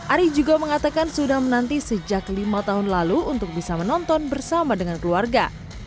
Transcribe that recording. ari juga mengatakan sudah menanti sejak lima tahun lalu untuk bisa menonton bersama dengan keluarga